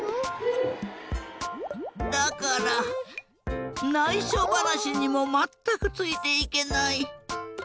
だからないしょばなしにもまったくついていけない。